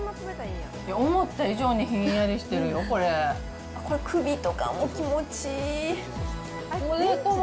思った以上にひんやりしてるよ、これ、首とかも気持ちいい。